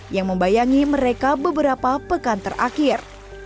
yang membayangi mereka beberapa pekan terakhir